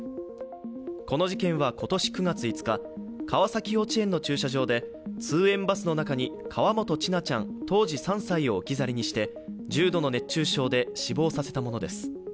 この事件は今年９月５日川崎幼稚園の駐車場で通園バスの中に河本千奈ちゃん当時３歳を置き去りにして重度の熱中症で死亡させたものです。